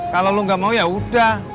kalau lo gak mau ya udah